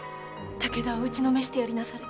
武田を打ちのめしてやりなされ。